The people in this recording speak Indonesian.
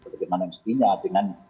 bagaimana miskinya dengan